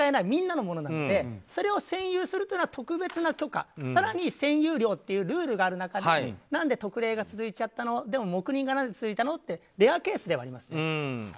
みんなのものなのでそれを占有するというのは特別な許可、更に占用料というルールがある中なので何で特例が続いちゃったの黙認がなぜ続いたのってレアケースではありますよね。